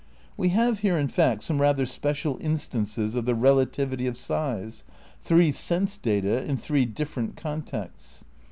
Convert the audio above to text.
We have here in fact some rather special instances of the relativity of size, three sense data in three different contexts.